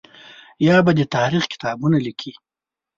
یا به د تاریخ کتابونه لیکي.